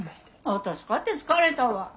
私かて疲れたわ。